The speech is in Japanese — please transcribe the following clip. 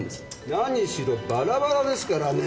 何しろバラバラですからね。